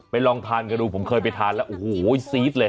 ลองทานกันดูผมเคยไปทานแล้วโอ้โหซี๊ดเลย